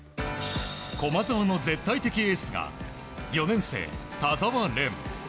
駒澤の絶対的エースが４年生、田澤廉。